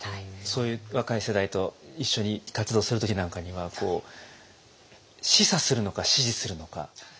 そういう若い世代と一緒に活動する時なんかには示唆するのか指示するのか。